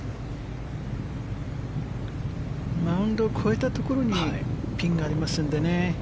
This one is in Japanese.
マウンドを越えたところにピンがありますので。